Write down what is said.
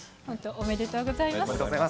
本当、おめでとうございます。